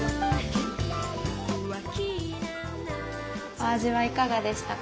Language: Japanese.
お味はいかがでしたか？